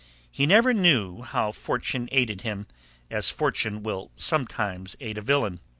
He never knew how fortune aided him, as fortune will sometimes aid a villain.